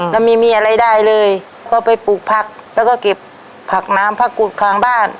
แล้วไม่มีอะไรได้เลยก็ไปปลูกผักแล้วก็เก็บผักน้ำผักกุดข้างบ้าน